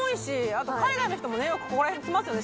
あと海外の人もよくここら辺来ますよね